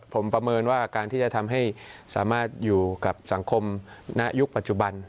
ผมประเมินว่าการที่จะทำให้สามารถอยู่กับสังคมณยุคปัจจุบัน